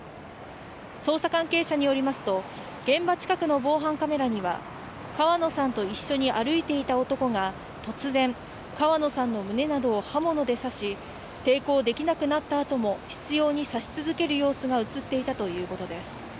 捜査関係者によりますと現場近くの防犯カメラには川野さんと一緒に歩いていた男が、突然、川野さんの胸などを刃物で刺し抵抗できなくなったあとも執ように刺し続ける様子が映っていたということです。